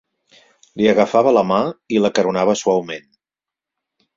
Li agafava la mà i l'acaronava suaument.